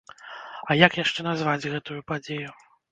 А як яшчэ назваць гэтую падзею?